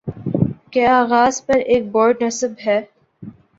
کے آغاز پر ایک بورڈ نصب ہے